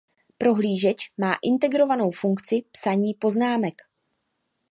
Prohlížeč má integrovanou funkci psaní poznámek.